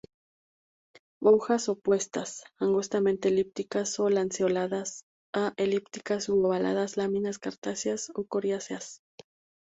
Hojas opuestas, angostamente elípticas o lanceoladas a elípticas u ovadas; láminas cartáceas o coriáceas.